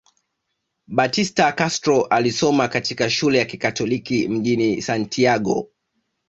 Batista Castro alisoma katika shule ya kikatoliki mjini Santiago